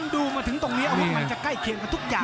ดูมาถึงตรงนี้อาวุธมันจะใกล้เคียงกับทุกอย่าง